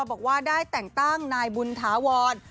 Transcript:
บอกว่าได้แต่งตั้งนายบุญถาวร